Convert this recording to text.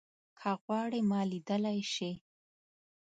که غواړې ما ليدای شې